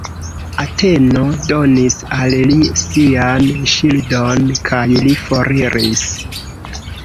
Ateno donis al li sian ŝildon, kaj li foriris.